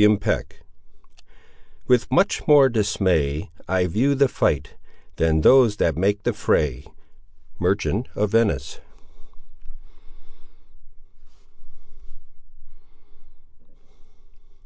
CHAPTER IV —With much more dismay, I view the fight, than those that make the fray. —Merchant of Venice.